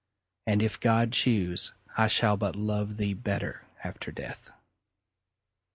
—and, if God choose, I shall but love thee better after death.